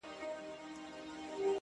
څنگ ته چي زه درغــــلـم ـ